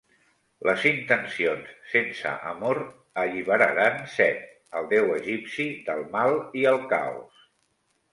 Les intencions sense amor alliberaran Set, el deu egipci del mal i el caos.